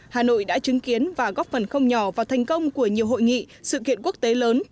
hà nội đã chứng kiến và góp phần không nhỏ vào thành công của nhiều hội nghị sự kiện quốc tế lớn